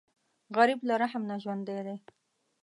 غریب له رحم نه ژوندی دی